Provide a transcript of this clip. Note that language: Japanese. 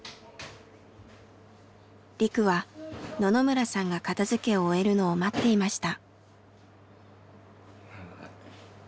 リクは野々村さんが片づけを終えるのを待っていました。